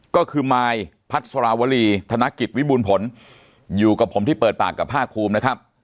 ก็คือมายพัสราวรีธนกิจวิบูรณ์ผลอยู่กับผมที่เปิดปากกับภาคภูมินะครับ